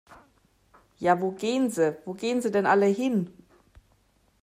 Ja wo gehn se, wo gehn se denn alle hin?